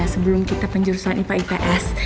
sebelum kita penjurus lani pak ips